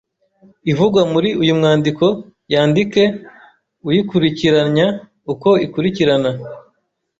ivugwa muri uyu mwandiko Yandike uyikurikiranya uko ikurikirana